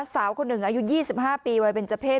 สาวคนหนึ่งอายุ๒๕ปีวัยเป็นเจ้าเพศ